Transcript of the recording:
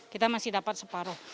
kita masih dapat separoh